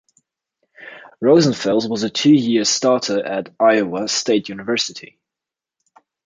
Rosenfels was a two-year starter at Iowa State University.